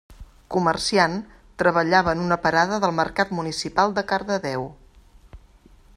Comerciant, treballava en una parada del mercat municipal de Cardedeu.